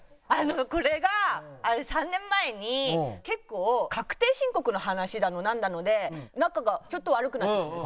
これが３年前に結構確定申告の話だのなんだので仲がちょっと悪くなってたんですよ。